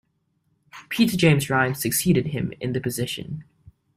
Peter James Ryan succeeded him in the position.